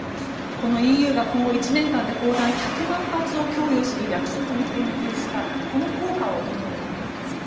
このＥＵが今後１年間で砲弾１００万発を供与する約束に言及したこの効果をどう見ますか？